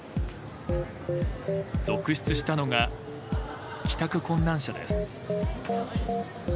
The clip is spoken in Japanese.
続出したのが帰宅困難者です。